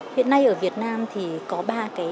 hiện nay ở việt nam thì có ba cái